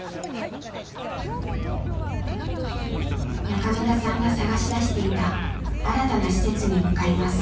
中村さんが探し出していた新たな施設に向かいます。